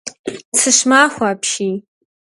Цыщ махуэ апщий.